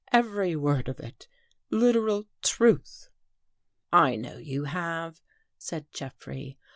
Every word of it — literal truth." " I know you have," said Jeffrey.